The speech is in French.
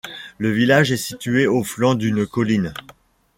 Le village est situé au flanc d'une colline.